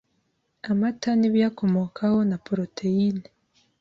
amata n’ibiyakomokaho na poroteyine